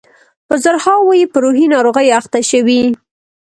په زرهاوو یې په روحي ناروغیو اخته شوي.